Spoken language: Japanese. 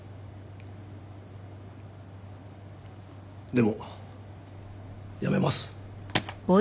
でもやめます。